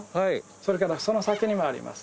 それからその先にもあります。